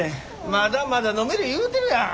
まだまだ飲める言うてるやん。